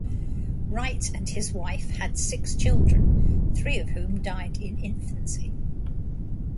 Wright and his wife had six children, three of whom died in infancy.